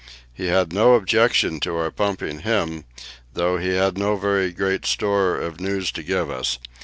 He had no objection to our pumping him, though he had no very great store of news to give us.